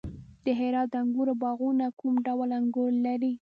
د هرات د انګورو باغونه کوم ډول انګور لري؟